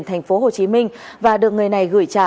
thành phố hồ chí minh và được người này gửi trả